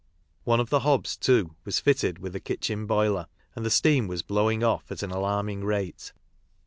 One of the hobs, too, was fitted with a kitchen boiler, and the steam was blowing of at an alarming rate.